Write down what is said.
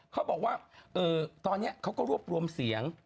เขาบอกว่าตอนนี้เขาก็รวบรวมเสียง